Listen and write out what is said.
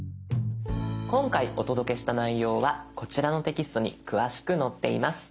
今回お届けした内容はこちらのテキストに詳しく載っています。